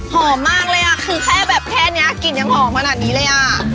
หอมมากเลยอ่ะคือแค่แบบแค่นี้กลิ่นยังหอมขนาดนี้เลยอ่ะ